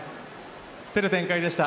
競る展開でした。